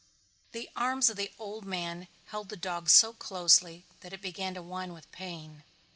The arms of the old man held the dog so closely that it began to whine with pain.